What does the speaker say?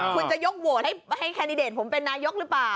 คุณจะยกโหวตให้แคนดิเดตผมเป็นนายกหรือเปล่า